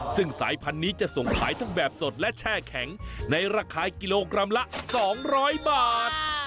ซึ่งสายพันธุ์นี้จะส่งขายทั้งแบบสดและแช่แข็งในราคากิโลกรัมละ๒๐๐บาท